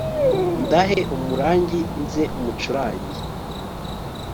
ndahe umurangi nze mucurange